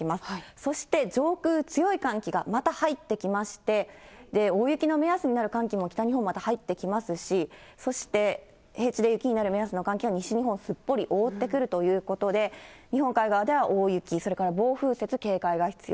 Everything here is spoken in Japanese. そして上空、強い寒気がまた入ってきまして、大雪の目安になる寒気も北日本、また入ってきますし、そして平地で雪になる目安の寒気は西日本、すっぽり覆ってくるということで、日本海側では大雪、それから暴風雪警戒が必要。